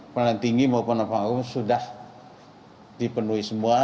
penelan tinggi maupun hukum agung sudah dipenuhi semua